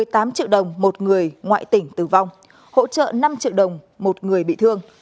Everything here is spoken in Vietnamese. một mươi tám triệu đồng một người ngoại tỉnh tử vong hỗ trợ năm triệu đồng một người bị thương